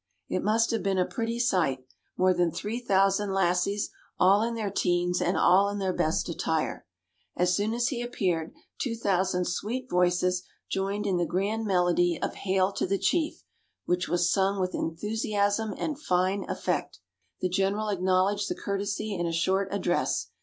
It must have been a pretty sight more than three thousand lassies, all in their teens, and all in their best attire. As soon as he appeared, two thousand sweet voices joined in the grand melody of "Hail to the Chief!" which was sung with enthusiasm and fine effect. The General acknowledged the courtesy in a short address.